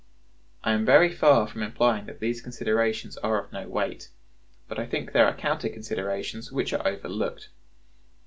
I am very far from implying that these considerations are of no weight; but I think there are counter considerations which are overlooked.